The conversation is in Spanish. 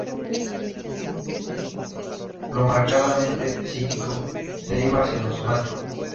Lo marcadamente psíquico derivaba hacia lo somático.